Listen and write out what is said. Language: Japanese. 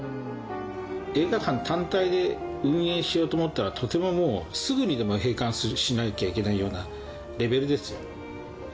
映画館単体で運営しようと思ったらとてももうすぐにでも閉館しなきゃいけないようなレベルですよ。